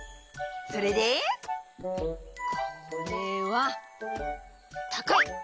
それでこれはたかい！